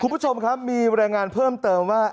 คุณผู้ชมครับมีรายงานเพิ่มเติมว่า